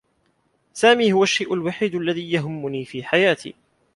سامي هو الشّيء الوحيد الذي يهمّني في حياتي.